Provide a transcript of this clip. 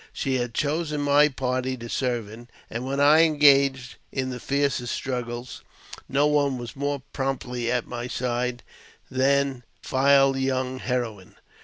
She had chosen my party to serve in, and when I engaged in the fiercest struggles, no one was more promptly at my side than the young heroine.